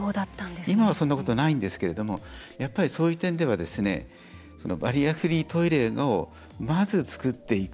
今はそういうことはないんですがやっぱり、そういう点ではバリアフリートイレをまず、つくっていく。